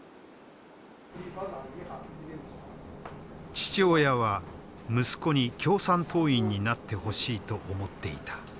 父親は息子に共産党員になってほしいと思っていた。